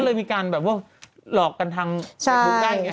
ก็เลยมีการแบบว่าหลอกกันทั้งพวกแกงไง